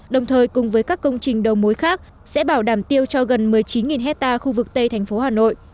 đồng thời cùng với các công trình đầu mối khác sẽ bảo đảm tiêu cho gần một mươi chín hectare khu vực tây thành phố hà nội